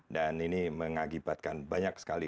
dan ini mengakibatkan banyak sekali